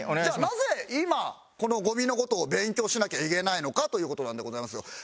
じゃあなぜ今このゴミの事を勉強しなきゃいけないのかという事なんでございますが。